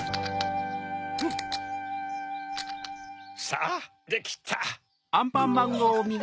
さぁできた！